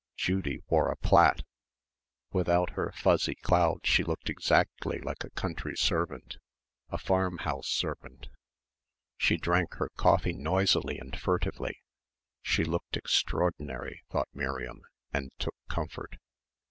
Judy wore a plait. Without her fuzzy cloud she looked exactly like a country servant, a farmhouse servant. She drank her coffee noisily and furtively she looked extraordinary, thought Miriam, and took comfort.